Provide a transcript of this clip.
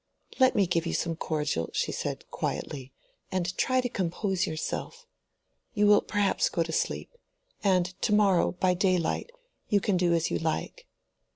"Let me give you some cordial," she said, quietly, "and try to compose yourself. You will perhaps go to sleep. And to morrow by daylight you can do as you like."